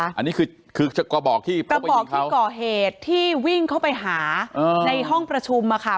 อันนี้คือกระบอกที่ก่อเหตุที่วิ่งเข้าไปหาในห้องประชุมอะค่ะ